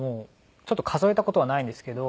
ちょっと数えた事はないんですけど。